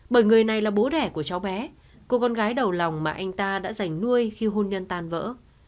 bởi người này là bố đẻ của cháu bé cô con gái đầu lòng mà anh ta đã giành nuôi khi hôn nhân tàn vỡ